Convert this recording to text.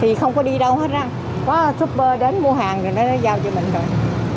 thì không có đi đâu hết á có super đến mua hàng rồi nó giao cho mình rồi